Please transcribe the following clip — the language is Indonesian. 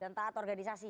dan taat organisasi